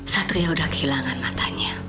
satria udah kehilangan matanya